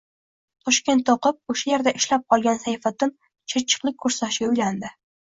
Toshkentda o‘qib, o‘sha yerda ishlab qolgan Sayfiddin chirchiqlik kursdoshiga uylandi